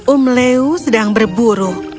um leu sedang berburu